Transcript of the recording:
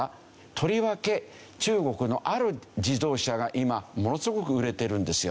とりわけ中国のある自動車が今ものすごく売れてるんですよ。